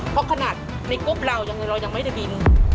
เพราะขนาดในกรุ๊ปเราเรายังไม่ได้บิน